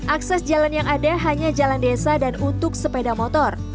akses jalan yang ada hanya jalan desa dan untuk sepeda motor